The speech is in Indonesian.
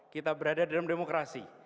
kita berada dalam demokrasi